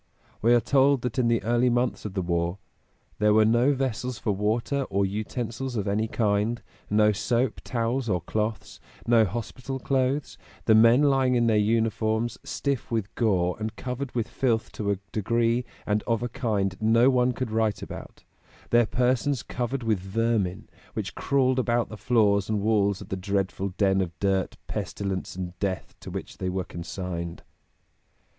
We are told that in the early months of the war "there were no vessels for water or utensils of any kind; no soap, towels or cloths, no hospital clothes; the men lying in their uniforms, stiff with gore and covered with filth to a degree and of a kind no one could write about; their persons covered with vermin, which crawled about the floors and walls of the dreadful den of dirt, pestilence and death to which they were consigned."